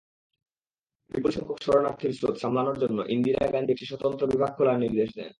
বিপুলসংখ্যক শরণার্থীর স্রোত সামলানোর জন্য ইন্দিরা গান্ধী একটি স্বতন্ত্র বিভাগ খোলার নির্দেশ দেন।